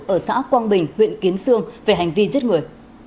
ở xã quang bình huyện kiến sương về hành vi giết người